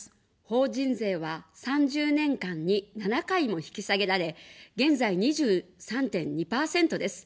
法人税は３０年間に７回も引き下げられ、現在２３．２％です。